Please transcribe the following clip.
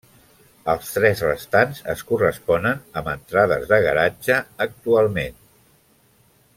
Els tres restants es corresponen amb entrades de garatge, actualment.